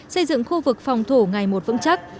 xây dựng khu vực phòng thủ ngày một vững chắc